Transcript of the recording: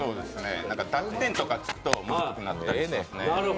濁点とかつくと、難しくなったりしますね。